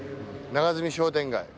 長住商店街